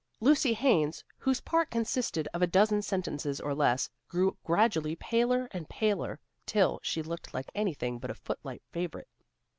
Lucy Haines, whose part consisted of a dozen sentences or less, grew gradually paler and paler, till she looked like anything but a footlight favorite.